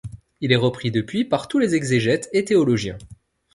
Il est repris depuis par tous les exégètes et théologiens.